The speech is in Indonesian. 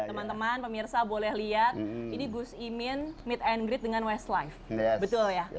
teman teman pemirsa boleh lihat ini gus imin meet and greet dengan westlife betul ya